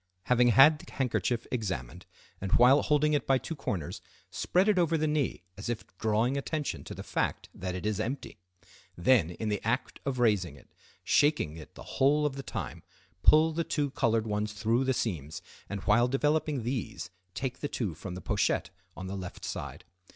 Having had the handkerchief examined, and while holding it by two corners, spread it over the knee as if drawing attention to the fact that it is empty. Then, in the act of raising it, shaking it the whole of the time, pull the two colored ones through the seams, and while developing these, take the two from the pochette on the left side.